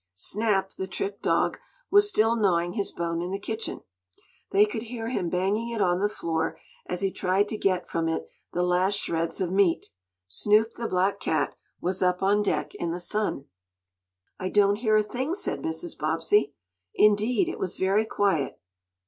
Snap, the trick dog, was still gnawing his bone in the kitchen. They could hear him banging it on the floor as he tried to get from it the last shreds of meat. Snoop, the black cat, was up on deck in the sun. "I don't hear a thing," said Mrs. Bobbsey. Indeed it was very quiet.